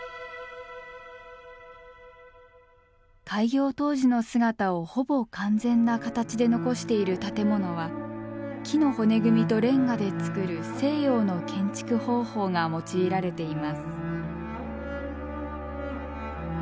開業当時の姿をほぼ完全な形で残している建物は木の骨組みとレンガで造る西洋の建築方法が用いられています。